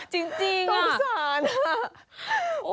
จริงอะตกสารอะจริงอะ